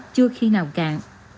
chưa khi nào cạn